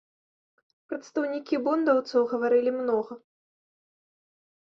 Прадстаўнікі бундаўцаў гаварылі многа.